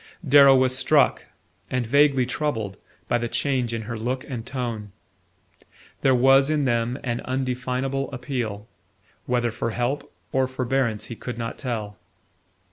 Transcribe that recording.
Darrow was struck, and vaguely troubled, by the change in her look and tone. There was in them an undefinable appeal, whether for help or forbearance he could not tell.